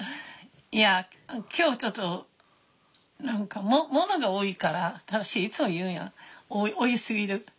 いや今日ちょっと何か物が多いから正いつも言うやん多いすぎる。